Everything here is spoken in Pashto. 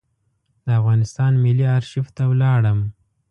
د افغانستان ملي آرشیف ته ولاړم.